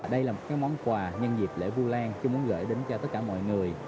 đây là một món quà nhân dịp lễ vu lan chưa muốn gửi đến cho tất cả mọi người